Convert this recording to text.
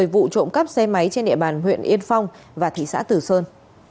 một mươi vụ trộm cắp xe máy trên địa bàn huyện yên phong và thị xã từ sơn